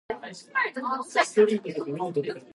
青い空、綺麗な湖